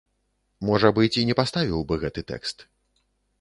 Можа быць, і не паставіў бы гэты тэкст.